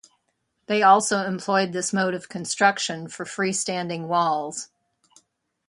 They also employed this mode of construction for freestanding walls.